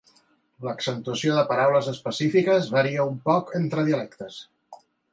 L'accentuació de paraules específiques varia un poc entre dialectes.